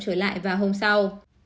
trở lại vào hôm sau